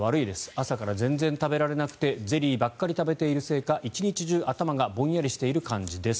朝から全然食べられなくてゼリーばっかり食べているせいか一日中頭がぼんやりしている感じです。